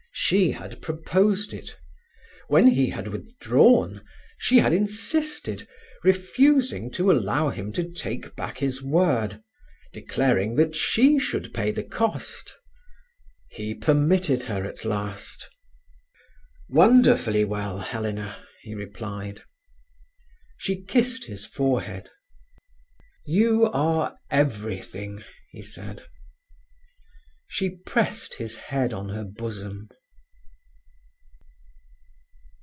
She had proposed it; when he had withdrawn, she had insisted, refusing to allow him to take back his word, declaring that she should pay the cost. He permitted her at last. "Wonderfully well, Helena," he replied. She kissed his forehead. "You are everything," he said. She pressed his head on her bosom.